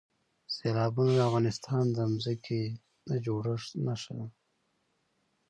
سیلابونه د افغانستان د ځمکې د جوړښت نښه ده.